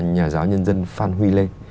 nhà giáo nhân dân phan huy lê